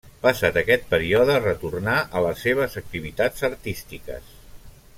Passat aquest període retornà a les seves activitats artístiques.